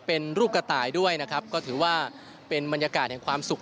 เป็นรูปกระต่ายด้วยนะครับก็ถือว่าเป็นบรรยากาศแห่งความสุข